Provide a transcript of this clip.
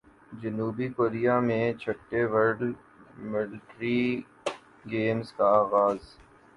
جنوبی کوریا میں چھٹے ورلڈ ملٹری گیمز کا اغاز